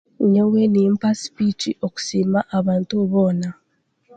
Nyowe nimpa spiiki okusiima abantu boona.